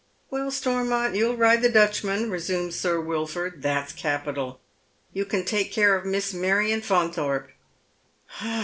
*' Well, Stormont, you'll ride the Duvchman," resumes Sir Wilford, "that's capital. You can take care of Miss Marion Faunthorpe."